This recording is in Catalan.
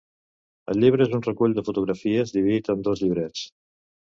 El llibre és un recull de fotografies, dividit en dos llibrets.